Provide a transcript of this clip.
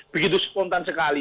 begitu spontan sekali